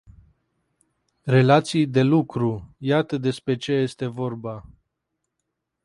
Relații de lucru, iată despre ce este vorba.